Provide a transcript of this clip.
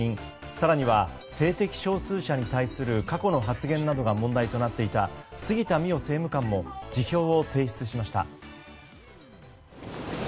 更には、性的少数者に対する過去の発言などが問題となっていた杉田水脈政務官も辞表を提出しました。